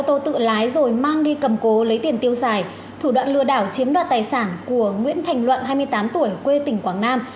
xe ô tô tự lái rồi mang đi cầm cố lấy tiền tiêu xài thủ đoạn lừa đảo chiếm đoạt tài sản của nguyễn thành luận hai mươi tám tuổi quê tỉnh quảng nam